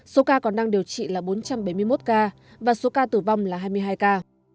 số ca còn đang điều trị là bốn trăm bảy mươi một ca và số ca tử vong là hai mươi hai ca